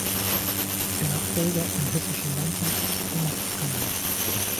Ihr Nachfolger im Hessischen Landtag ist Thomas Ackermann.